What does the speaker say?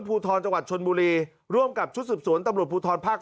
ภูทรจังหวัดชนบุรีร่วมกับชุดสืบสวนตำรวจภูทรภาค๓